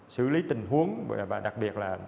xử lý tình huống và đặc biệt là